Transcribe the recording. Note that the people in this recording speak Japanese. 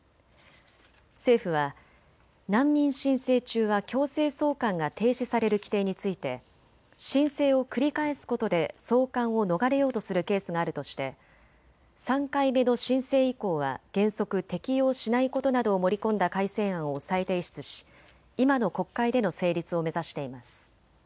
政府は難民申請中は強制送還が停止される規定について申請を繰り返すことで送還を逃れようとするケースがあるとして３回目の申請以降は原則、適用しないことなどを盛り込んだ改正案を再提出し、今の国会での成立を目指しています。